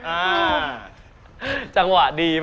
อ่าจังหวะดีมาก